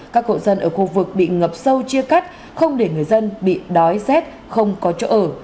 các hộ dân ở khu vực bị ngập sâu chia cắt không để người dân bị đói rét không có chỗ ở